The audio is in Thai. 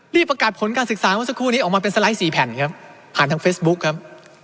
ประกาศผลการศึกษาเมื่อสักครู่นี้ออกมาเป็นสไลด์๔แผ่นครับผ่านทางเฟซบุ๊คครับ